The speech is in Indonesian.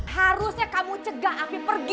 harusnya kamu cegah api pergi